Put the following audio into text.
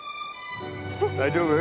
大丈夫？